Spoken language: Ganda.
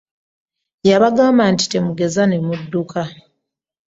Yabagamba nti temugeza ne mu dduka.